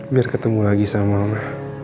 biar ketemu lagi sama allah